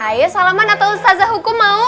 ayo salaman atau sazah hukum mau